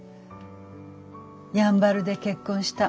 「やんばるで結婚した。